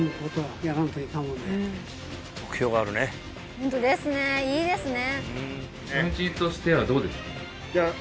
ホントですねいいですね